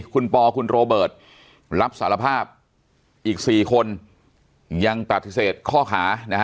คุณปอคุณโรเบิร์ตรับสารภาพอีก๔คนยังปฏิเสธข้อหานะฮะ